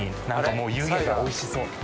もう湯気がおいしそう。